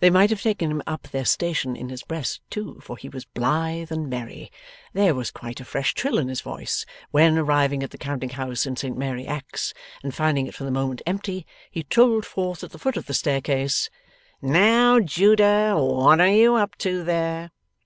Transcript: They might have taken up their station in his breast, too, for he was blithe and merry. There was quite a fresh trill in his voice, when, arriving at the counting house in St Mary Axe, and finding it for the moment empty, he trolled forth at the foot of the staircase: 'Now, Judah, what are you up to there?